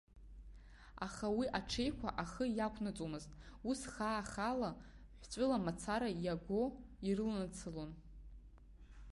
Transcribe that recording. Аха уи аҽеиқәа ахы иақәнаҵомызт, ус хаа-хаала, ҳәҵәыла мацара иагәо ирыланацалон.